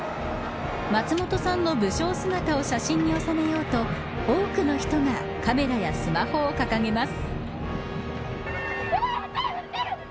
松本さんの武将姿を写真に収めようと多くの人がカメラやスマホを掲げます。